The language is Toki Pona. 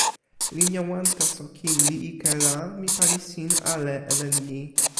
linja wan taso kin li ike la mi pali sin ale e len ni.